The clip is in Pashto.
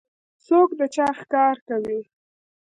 څوک د چا ښکار کوي؟